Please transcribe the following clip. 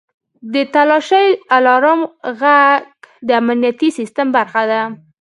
• د تالاشۍ الارم ږغ د امنیتي سیستم برخه ده.